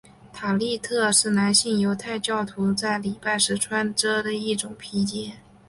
塔利特是男性犹太教徒在礼拜时穿着的一种披肩。